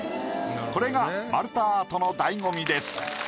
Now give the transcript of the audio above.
これが丸太アートの醍醐味です。